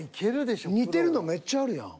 似てるのめっちゃあるやん。